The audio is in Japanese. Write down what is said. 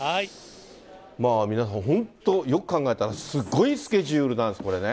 皆さん本当、よく考えたら、すごいスケジュールなんです、これね。